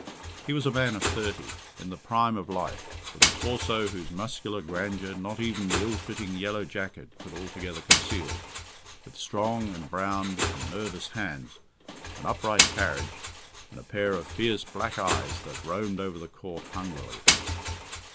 He was a man of thirty, in the prime of life, with a torso whose muscular grandeur not even the ill fitting yellow jacket could altogether conceal, with strong, embrowned, and nervous hands, an upright carriage, and a pair of fierce, black eyes that roamed over the Court hungrily.